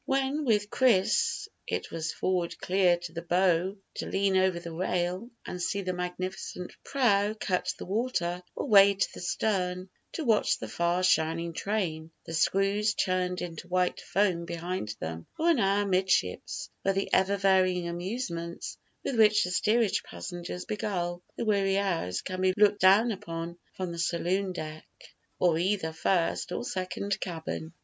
When with Chris it was forward clear to the bow to lean over the rail and see the magnificent prow cut the water; or way to the stern, to watch the far shining train, the screws churned into white foam behind them; or an hour 'midships, where the ever varying amusements with which the steerage passengers beguile the weary hours can be looked down upon from the saloon deck of either first or second cabin.